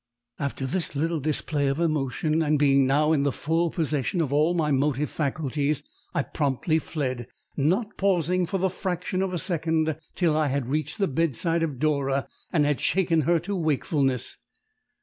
After this little display of emotion, and being now in the full possession of all my motive faculties, I promptly fled, not pausing for the fraction of a second till I had reached the bedside of Dora and had shaken her to wakefulness.